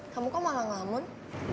kamu kok malah ngamun